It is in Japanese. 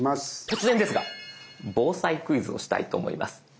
突然ですが防災クイズをしたいと思います。